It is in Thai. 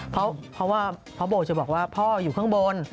เพราะว่าพ่อโบจะบอกว่าพ่ออยู่ข้างบน